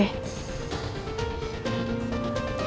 emangnya ada apa ya